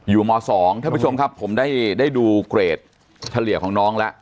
อยู่ม๒ถ้าผู้ชมครับผมได้ดูเกรดทะเลี่ยของน้องแล้ว